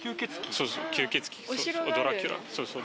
そうそう吸血鬼。